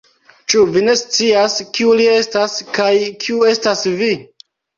Ĉu vi ne scias, kiu li estas, kaj kiu estas vi?